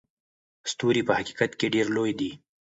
ستوري په حقیقت کې ډېر لوی دي.